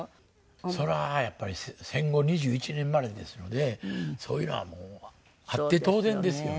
それはやっぱり戦後２１年生まれですのでそういうのはあって当然ですよね。